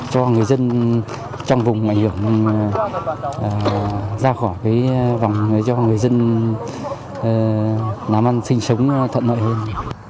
cho người dân trong vùng ảnh hưởng ra khỏi cái vòng cho người dân nắm ăn sinh sống thuận nợ hơn